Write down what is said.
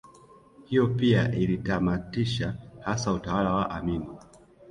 Hiyo pia ilitamatisha hasa utawala wa Amin